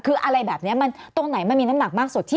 คืออะไรแบบนี้มันตรงไหนมันมีน้ำหนักมากสุด